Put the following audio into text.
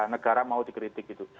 negara mau dikritik gitu